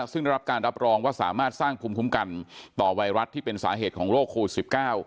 ซึ่งได้รับการรับรองว่าสามารถสร้างภูมิคุ้มกันต่อไวรัสที่เป็นสาเหตุของโรคโควิด๑๙